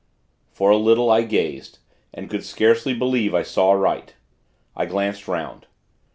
For a little, I gazed, and could scarcely believe I saw aright. I glanced 'round.